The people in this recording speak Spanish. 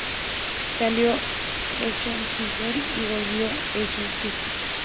Salió echo un pincel y volvió echo un Cristo